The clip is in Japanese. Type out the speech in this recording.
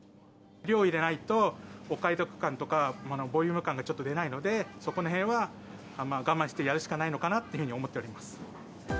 量入れないと、お買い得感とか、ボリューム感がちょっと出ないので、そこのへんは我慢してやるしかないのかなというふうに思っております。